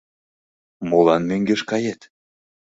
Молан мӧҥгеш кает?